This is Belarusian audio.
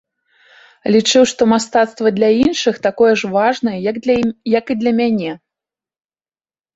Лічыў, што мастацтва для іншых такое ж важнае, як і для мяне.